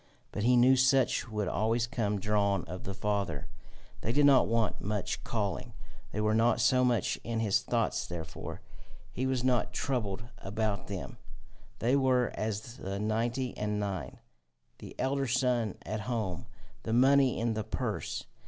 But he knew such would always come drawn of the Father; they did not want much calling; they were not so much in his thoughts therefore; he was not troubled about them; they were as the ninety and nine, the elder son at home, the money in the purse.